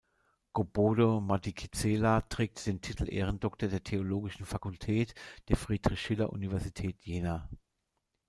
Gobodo-Madikizela trägt den Titel Ehrendoktor der Theologischen Fakultät der Friedrich-Schiller-Universität Jena.